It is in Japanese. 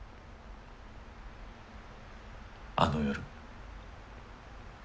あの夜。